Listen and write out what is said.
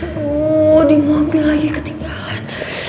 wuh di mobil lagi ketinggalan